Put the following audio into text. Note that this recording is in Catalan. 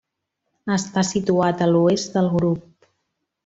Està situat a l'oest del grup.